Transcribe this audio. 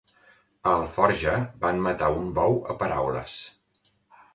A Alforja van matar un bou a paraules.